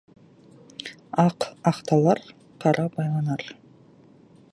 Ақ ақталар, қара байланар.